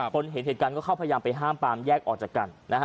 เห็นเหตุการณ์ก็เข้าพยายามไปห้ามปามแยกออกจากกันนะฮะ